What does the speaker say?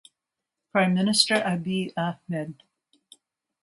Prime Minister Abiy Ahmed.